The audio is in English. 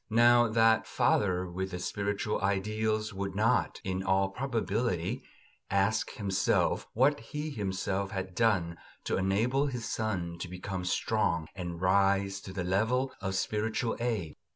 Now that father with the spiritual ideals would not, in all probability, ask himself what he himself had done to enable his son to become strong and rise to the level of spiritual aid.